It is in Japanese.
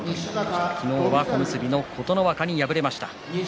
昨日は琴ノ若に敗れました。